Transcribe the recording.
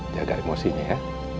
jaga emosinya ya